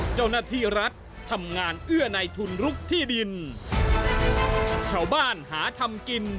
ชูเวทตีแสงหน้า